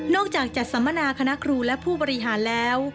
จากจัดสัมมนาคณะครูและผู้บริหารแล้ว